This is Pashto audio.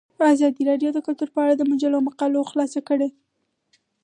ازادي راډیو د کلتور په اړه د مجلو مقالو خلاصه کړې.